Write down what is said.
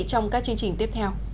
trong các chương trình tiếp theo